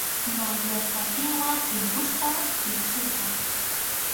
Mayllasqa kinwa tʼimpusqam pʼsqiqa.